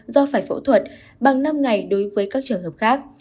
do phải phẫu thuật bằng năm ngày đối với các trường hợp khác